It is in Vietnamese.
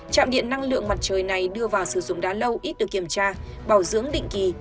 trạm điện năng lượng mặt trời này đưa vào sử dụng đã lâu ít được kiểm tra bảo dưỡng định kỳ